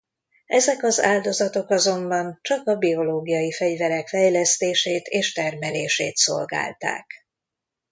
Ezek az áldozatok azonban csak a biológiai fegyverek fejlesztését és termelését szolgálták.